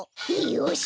よし！